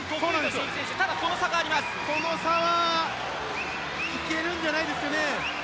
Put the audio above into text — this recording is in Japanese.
この差はいけるんじゃないですかね。